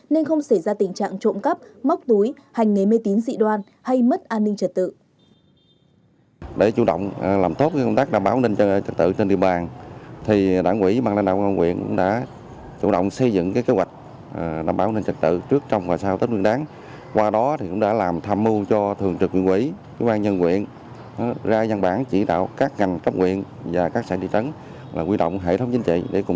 nên không xảy ra tình trạng trộm cắp móc túi hành nghề mê tín dị đoan hay mất an ninh trật tự